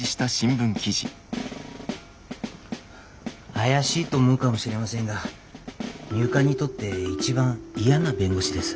怪しいと思うかもしれませんが入管にとって一番嫌な弁護士です。